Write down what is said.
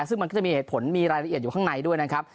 ซึ่งมันก็จะมีเหตุผลมีรายละเอียดอยู่ข้างในด้วยนะครับ